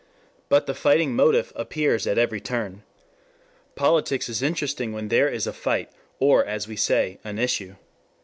But the fighting motif appears at every turn. Politics is interesting when there is a fight, or as we say, an issue.